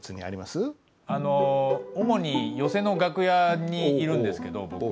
あの主に寄席の楽屋にいるんですけど僕は。